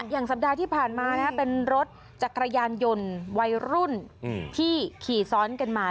อย่างสัปดาห์ที่ผ่านมาเป็นรถจักรยานยนต์วัยรุ่นที่ขี่ซ้อนกันมา